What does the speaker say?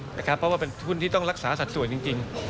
เพราะว่าเป็นหุ้นที่ต้องรักษาสัดส่วนจริง